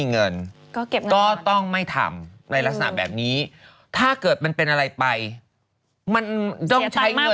เนาะจริงก็ยัง